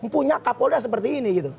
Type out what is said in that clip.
punya kapolda seperti ini